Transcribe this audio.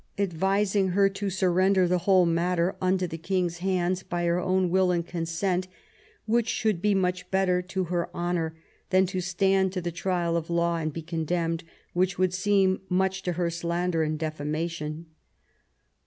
advising her to surrender the whole matter unto the king's hands by her own will and consent, which should be much better to her honour than to stand to the trial of law and be condemned, which would seem much to her slander and defamation."